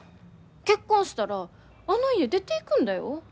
結婚したらあの家出ていくんだよ。